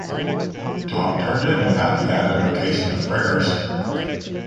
Tom turned in without the added vocation of prayers.